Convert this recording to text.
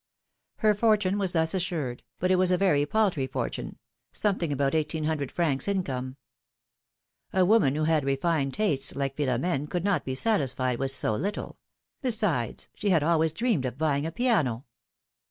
Her fortune was thus assured, but it was a very paltry fortune — something about eighteen hundred francs income. A woman who had refined tastes like Philomene could not be satisfied with so little; besides, she had always dreamed of buying a piano.